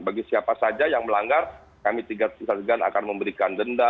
bagi siapa saja yang melanggar kami tiga persatuan akan memberikan denda